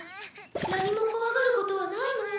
何も怖がることはないのよ？